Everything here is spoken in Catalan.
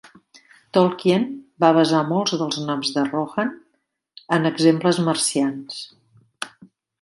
Tolkien va basar molts dels noms de Rohan en exemples mercians.